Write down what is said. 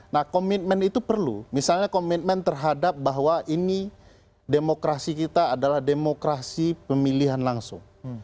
nah komitmen itu perlu misalnya komitmen terhadap bahwa ini demokrasi kita adalah demokrasi pemilihan langsung